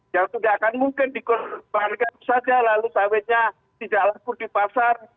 yang tidak akan mungkin dikorbankan saja lalu sawitnya tidak laku di pasar